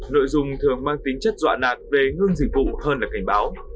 nội dung thường mang tính chất dọa nạt về ngưng dịch vụ hơn là cảnh báo